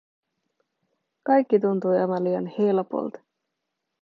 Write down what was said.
Kaikki tuntui aivan liian helpolta.